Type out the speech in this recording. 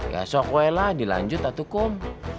ya sok wailah dilanjut atu kum